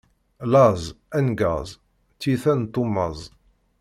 Laẓ, angaẓ, tiyita n tummaẓ.